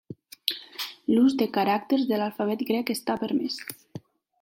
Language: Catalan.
L'ús de caràcters de l'alfabet grec està permès.